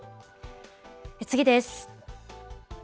次です。